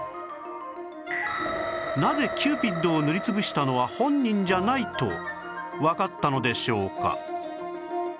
なぜキューピッドを塗りつぶしたのは本人じゃないとわかったのでしょうか？